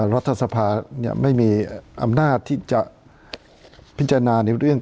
รัฐสภาไม่มีอำนาจที่จะพิจารณาในเรื่อง